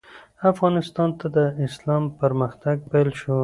افغانستان ته د اسلام پرمختګ پیل شو.